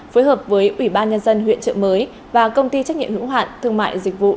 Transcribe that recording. phối hợp với ủy ban nhân dân huyện trợ mới và công ty trách nhiệm hữu hạn thương mại dịch vụ